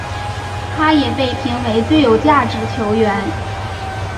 他也被评为最有价值球员。